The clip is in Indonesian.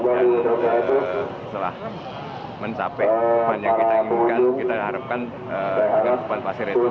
dan setelah mencapai pan yang kita inginkan kita harapkan kebahan pasir itu